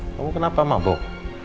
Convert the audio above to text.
kamu kenapa mabuk